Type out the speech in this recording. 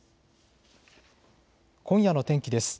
今夜の天気です。